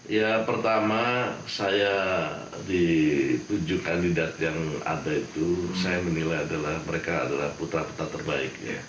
ya pertama saya di tujuh kandidat yang ada itu saya menilai adalah mereka adalah putra putra terbaik